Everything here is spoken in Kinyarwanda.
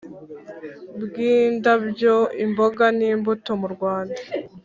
Bw indabyo imboga n imbuto mu rwanda